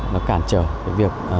nó cản trở cái việc